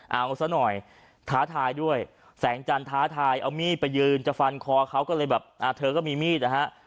เอาซะหน่อยท้าทายด้วยแสงจันท้าทายเอามีดไปยืนจะฟันคอเขาก็เลยแบบเธอก็มีมีดนะฮะ